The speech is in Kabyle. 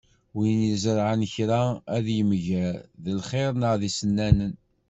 Win izerεen kra ad t-yemger, d lxir neɣ d isennanan.